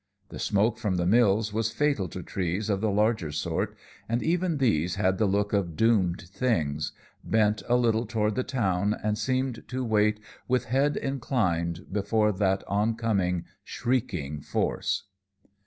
The smoke from the mills was fatal to trees of the larger sort, and even these had the look of doomed things bent a little toward the town and seemed to wait with head inclined before that on coming, shrieking force.